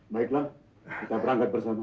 baiklah kita berangkat bersama